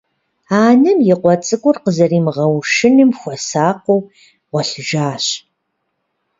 Анэм и къуэ цӀыкӀур къызэримыгъэушыным хуэсакъыу гъуэлъыжащ.